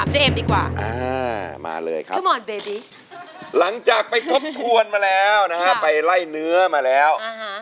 หลังจากไปทบทวนมาแล้วนะครับไปไล่เนื้อมาแล้ว